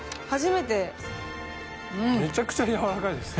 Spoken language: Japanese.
めちゃくちゃ柔らかいです。